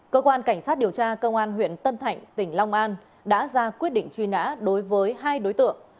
cơ quan cảnh sát điều tra công an huyện tân thạnh tỉnh long an đã ra quyết định truy nã đối với hai đối tượng